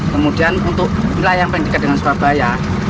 kemudian untuk wilayah yang paling dekat dengan surabaya